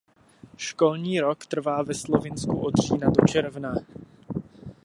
Školní rok trvá ve Slovinsku od října do června.